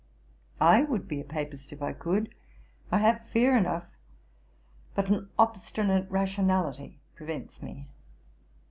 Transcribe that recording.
I would be a Papist if I could. I have fear enough; but an obstinate rationality prevents me.